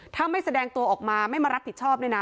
ถ้าไม่แสดงตัวออกมาไม่มารับผิดชอบเนี่ยนะ